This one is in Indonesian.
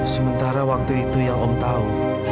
sementara waktu itu yang om tahu